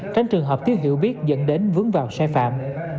tránh trường hợp thiếu hiểu biết dẫn đến vướng vào sai phạm